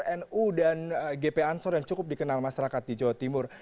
nu dan gp ansor yang cukup dikenal masyarakat di jawa timur